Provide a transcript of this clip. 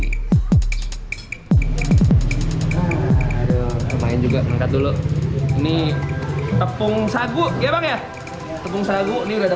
main juga mengangkat dulu nih tepung sagu ya bang ya tepung sagu ini ada